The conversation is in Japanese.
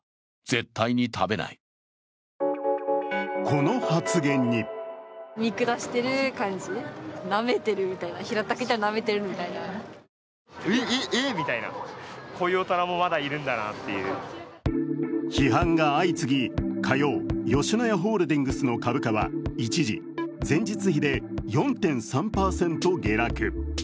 この発言に批判が相次ぎ、火曜、吉野家ホールディングスの株価は一時、前日比で４．３％下落。